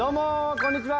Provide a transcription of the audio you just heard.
こんにちは